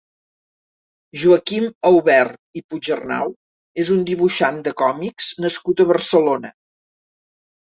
Joaquim Aubert Puigarnau és un dibuixant de còmics nascut a Barcelona.